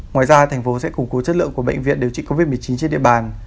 ngoài ra thành phố sẽ củng cố chất lượng của bệnh viện điều trị covid một mươi chín trên địa bàn